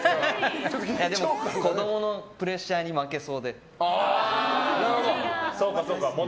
子供のプレッシャーに負けそうです。